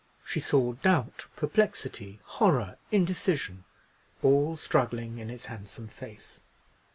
She saw doubt, perplexity, horror, indecision, all struggling in his handsome face.